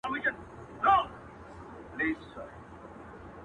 د گندارا د شاپېريو د سُرخيو په باب,